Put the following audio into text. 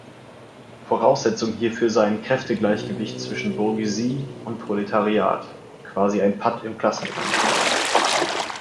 Voraussetzung hierfür sei ein Kräftegleichgewicht zwischen Bourgeoisie und Proletariat, quasi ein Patt im Klassenkampf.